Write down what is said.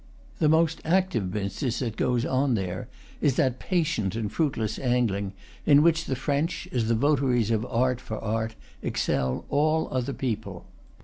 The most active business that goes on there is that patient and fruitless angling in, which the French, as the votaries of art for art, excel all other people.